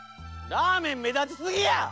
ラーメンめだちすぎや！